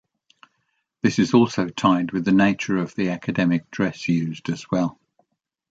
This is also tied with the nature of the academic dress used as well.